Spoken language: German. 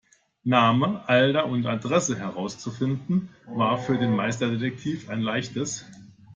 Name, Alter und Adresse herauszufinden, war für den Meisterdetektiv ein Leichtes.